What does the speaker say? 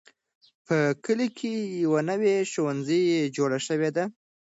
په کلي کې یو نوی ښوونځی جوړ شوی دی.